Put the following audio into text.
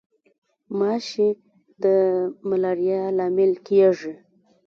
ماشي د ملاریا لامل کیږي